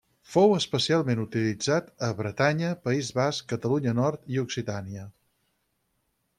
Fou especialment utilitzat a Bretanya, País Basc, Catalunya Nord i Occitània.